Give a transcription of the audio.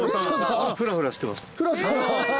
フラフラしてました。